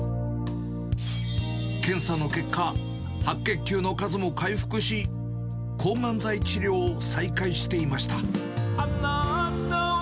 検査の結果、白血球の数も回復し、抗がん剤治療を再開していました。